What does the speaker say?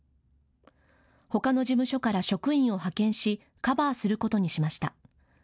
ほかの事務所から職員を派遣しカバーすることにしました。